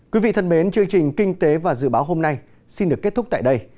quý vị thân mến chương trình kinh tế và dự báo hôm nay xin được kết thúc tại đây